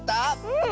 うん。